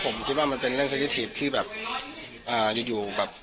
ก็คิดว่ามันเป็นเรื่องซักสิทธิษฐ์ที่แบบอยู่แบบ